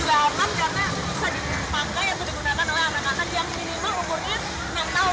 saya juga suka banget ini bisa dipakai atau digunakan oleh anak anak yang minimal umurnya enam tahun